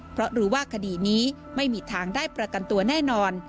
เพราะรู้ว่าคดีนี้ไม่มีทางได้ประกันตัวแน่นอน